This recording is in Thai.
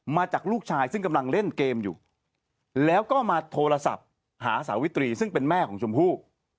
มาจากลูกชายซึ่งกำลังเล่นเกมอยู่แล้วก็มาโทรศัพท์หาสาวิตรีซึ่งเป็นแม่ของชมพู่